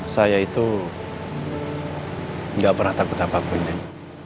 saya itu gak pernah takut apapun dan